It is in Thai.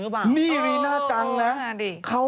อุ๊ยเจนเหรอรีนาเจนอะ